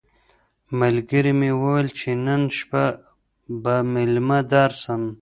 ملګري مي وویل چي نن شپه به مېلمه درسم.